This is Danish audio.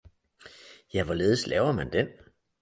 »Ja hvorledes laver man den!